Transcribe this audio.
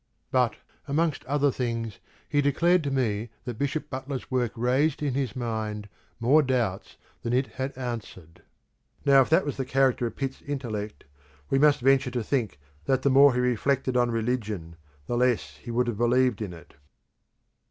But amongst other things he declared to me that Bishop Butler's work raised in his mind more doubts than it had answered." Now if that was the character of Pitt's intellect we must venture to think that the more he reflected on religion the less he would have believed in it.